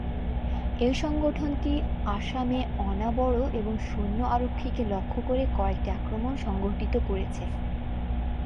এই সংগঠনটি আসামে অনা-বড়ো এবং সৈন্য-আরক্ষীকে লক্ষ্য করে কয়েকটি আক্রমণ সংঘটিত করেছে।